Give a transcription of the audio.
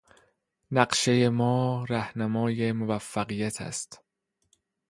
نقشهی ما رهنمای موفقیت است.